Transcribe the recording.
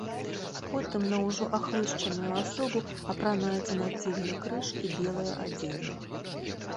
Потым на ўжо ахрышчаную асобу апранаецца нацельны крыж і белае адзенне.